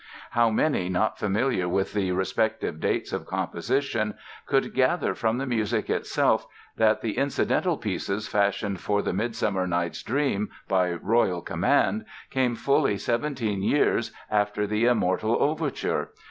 How many not familiar with the respective dates of composition could gather from the music itself that the incidental pieces fashioned for the "Midsummer Night's Dream" by royal command came fully seventeen years after the immortal Overture?